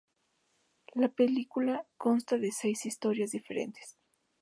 La película consta de seis historias diferentes.